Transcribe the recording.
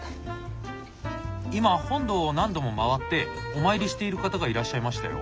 今本堂を何度も回ってお参りしている方がいらっしゃいましたよ。